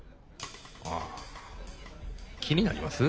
ああ気になります？